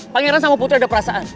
pangeran sama putri ada perasaan